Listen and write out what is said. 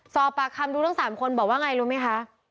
สอบปากคำดูทั้ง๓คนบอกว่าไงรู้ไหมคะ